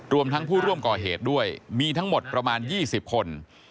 รวมทั้งผู้ร่วมก่อเหตุด้วยมีทั้งหมดประมาณ๒๐คน